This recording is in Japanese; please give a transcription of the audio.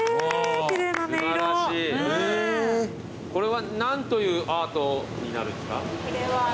これは何というアートになるんですか？